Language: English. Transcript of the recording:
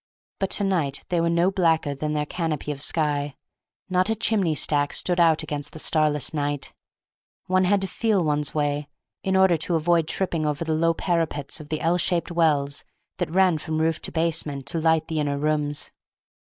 But to night they were no blacker than their canopy of sky; not a chimney stack stood out against the starless night; one had to feel one's way in order to avoid tripping over the low parapets of the L shaped wells that ran from roof to basement to light the inner rooms.